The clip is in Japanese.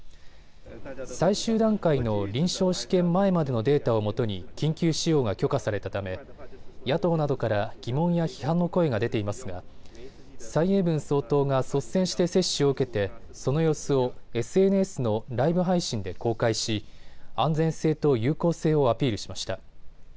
最終段階の臨床試験前までのデータをもとに緊急使用が許可されたため野党などから疑問や批判の声が出ていますが蔡英文総統が率先して接種を受けてその様子をＳＮＳのライブ配信で公開し安全性と有効性をアピールしました。